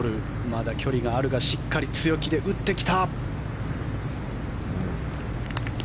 まだ距離もあるがしっかり強気で打ってきた。